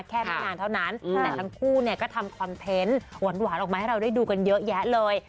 ไม่นานเท่านั้นแต่ทั้งคู่เนี่ยก็ทำคอนเทนต์หวานออกมาให้เราได้ดูกันเยอะแยะเลย